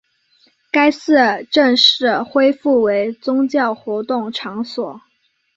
该寺正式恢复为宗教活动场所。